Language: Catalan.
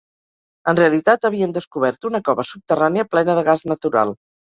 En realitat havien descobert una cova subterrània plena de gas natural.